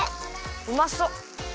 うまそっ！